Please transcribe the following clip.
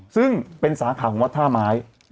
ซึ่งเป็นสาขาของวัดท่าไม้